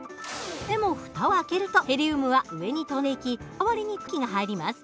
でも蓋を開けるとヘリウムは上に飛んでいき代わりに空気が入ります。